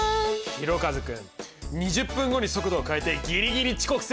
ひろかず君２０分後に速度を変えてギリギリ遅刻せず。